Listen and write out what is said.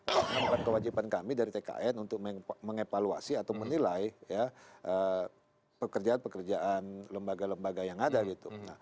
karena kewajiban kami dari tkn untuk mengevaluasi atau menilai ya pekerjaan pekerjaan lembaga lembaga yang ada gitu